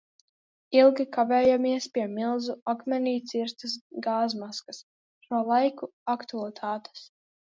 Ilgi kavējamies pie milzu akmenī cirstas gāzmaskas, šo laiku aktualitātes.